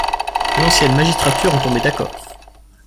L'ancienne magistrature en tombait d'accord.